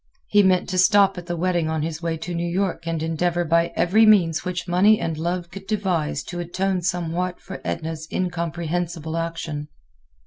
He meant to stop at the wedding on his way to New York and endeavor by every means which money and love could devise to atone somewhat for Edna's incomprehensible action.